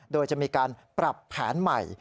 โดยจะมีการปรับแผนใหม่